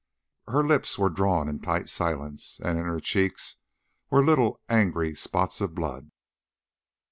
Her lips were drawn in tight silence, and in her cheeks were little angry spots of blood.